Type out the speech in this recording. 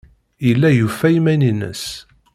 Yella yufa iman-nnes.